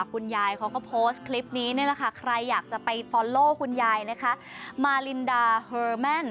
คุณยายเขาก็โพสต์คลิปนี้นี่แหละค่ะใครอยากจะไปฟอลโล่คุณยายนะคะมาลินดาเฮอร์แมน